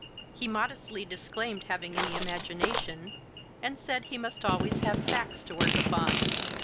He modestly disclaimed having any imagination, and said he must always have facts to work upon.